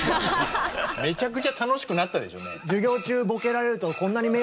めちゃくちゃ楽しくなったでしょ。